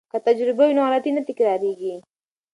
که تجربه وي نو غلطي نه تکراریږي.